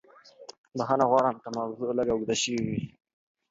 بښنه غواړم که موضوع لږه اوږده شوې وي.